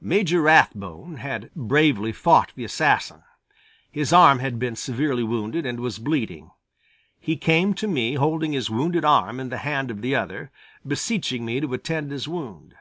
Major Rathbone had bravely fought the assassin; his arm had been severely wounded and was bleeding. He came to me holding his wounded arm in the hand of the other, beseeching me to attend to his wound.